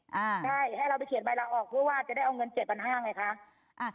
ใช่ให้เราไปเขียนใบลาออกเพื่อว่าจะได้เอาเงิน๗๕๐๐บาทไงคะ